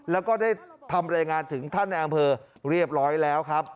แล้วก็ได้ทำรายงานถึงท่านในอำเภอเรียบร้อยแล้วครับ